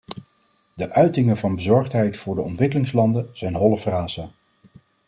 De uitingen van bezorgdheid voor de ontwikkelingslanden zijn holle frasen.